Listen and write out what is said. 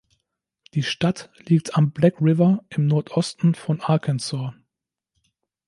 Die Stadt liegt am Black River im Nordosten von Arkansas.